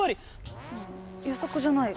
うん予測じゃない。